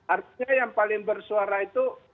artinya yang paling bersuara itu